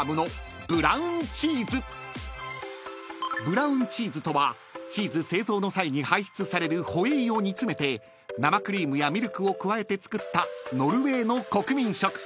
［ブラウンチーズとはチーズ製造の際に排出されるホエイを煮詰めて生クリームやミルクを加えて作ったノルウェーの国民食］